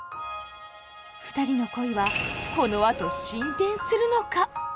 ふたりの恋はこのあと進展するのか。